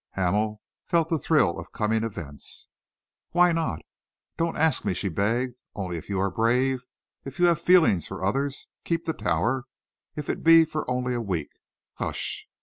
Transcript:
Hamel felt the thrill of coming events. "Why not?" "Don't ask me," she begged. "Only if you are brave, if you have feeling for others, keep the Tower, if it be for only a week. Hush!"